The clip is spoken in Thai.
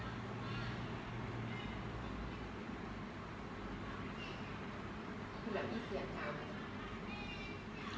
อืมมาจาก